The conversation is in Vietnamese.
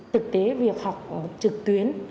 thực tế việc học trực tuyến